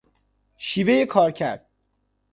شیوهی کارکرد